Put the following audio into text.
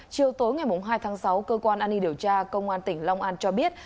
chiều tối ngày hai tháng sáu cơ quan an ninh điều tra công an tỉnh long an cho biết